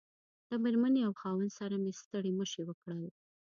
له مېرمنې او خاوند سره مې ستړي مشي وکړل.